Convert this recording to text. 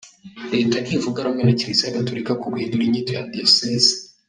Leta ntivuga rumwe na Kiliziya Gatolika ku guhindura inyito za Diyosezi.